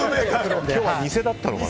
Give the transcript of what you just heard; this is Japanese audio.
今日は偽だったのか。